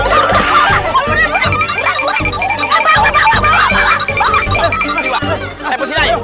taruh lagi taruh lagi